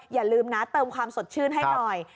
อย่าลืมนะเติมความสดชื่นให้หน่อย